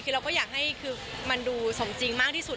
คือเราก็อยากให้คือมันดูสมจริงมากที่สุด